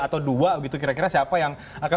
atau dua begitu kira kira siapa yang akan